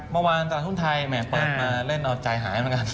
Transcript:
เมื่อวานตลาดทุนไทยแหมเปิดมาเล่นเอาใจหายเหมือนกัน